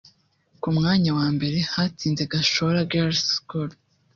Ku mwanya wa mbere hatsinze Gashora Girls School